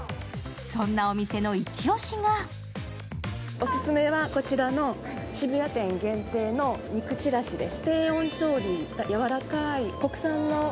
そんなお店のイチ押しがオススメはこちらの渋谷店限定のニク−ちらしです。